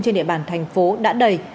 trên địa bàn thành phố đã đầy